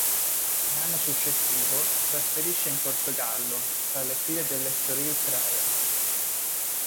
L'anno successivo si trasferisce in Portogallo, tra le file dell'Estoril Praia.